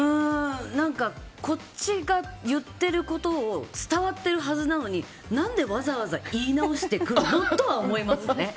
こっちが言っていることも伝わっているはずなのになんでわざわざ言い直してくるのとは思いますね。